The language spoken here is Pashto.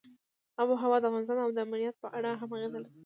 آب وهوا د افغانستان د امنیت په اړه هم اغېز لري.